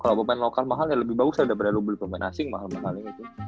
kalau pemain lokal mahal ya lebih bagus ya daripada lo beli pemain asing mahal mahalnya gitu